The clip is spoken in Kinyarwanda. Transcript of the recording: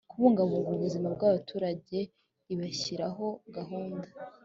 kubungabunga ubuzima bw abaturage ibashyiriraho gahunda